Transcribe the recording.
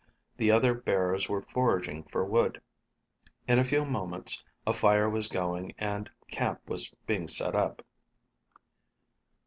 The other bearers were foraging for wood. In a few moments a fire was going and camp was being set up.